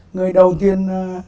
người đầu tiên